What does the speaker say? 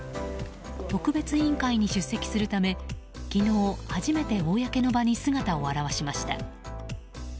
特別委員会に出席するため昨日、初めて公の場に姿を現しました。